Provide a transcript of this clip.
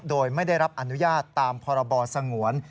โดยไม่ได้รับอนุญาตตามพรบสงวน